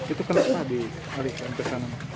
itu kenapa di kantor sana